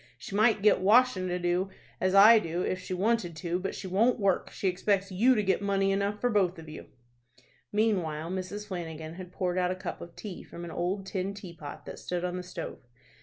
She might get washin' to do, as I do, if she wanted to, but she won't work. She expects you to get money enough for both of you." Meanwhile Mrs. Flanagan had poured out a cup of tea from an old tin teapot that stood on the stove.